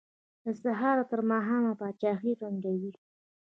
له سهاره تر ماښامه پاچاهۍ ړنګوي.